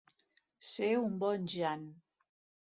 Ser un bon jan.